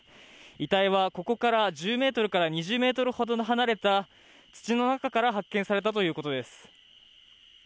遺体はここから１０メートルから２０メートルほど離れた土の中から発見されたということです。